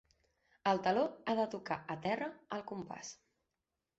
El taló ha de tocar a terra al compàs.